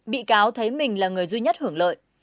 bị cáo thấy mình là người duy nhất hưởng lợi